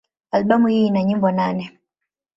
Albamu hii ina nyimbo nane.